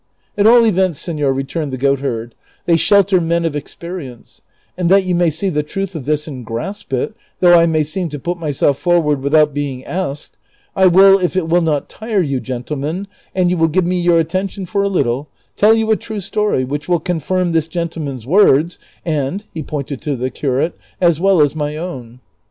" At all events, seiior," returned the goatherd, " they shelter men of experience ; and that you may see the truth of this and grasp it, though I may seem to put myself forward without being asked, I will, if it will not tire you, gentlemen, and you will give me your attention foi a little, tell you a true story which will confirm this gentleman's words (and he pointed to the curate) as well as my own."